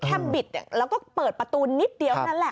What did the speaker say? แค่บิดแล้วที่เปิดประตูนิดเดียวแหละ